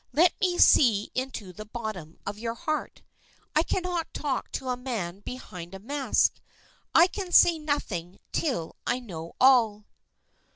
Let me see into the bottom of your heart. I cannot talk to a man behind a mask. I can say nothing till I know all."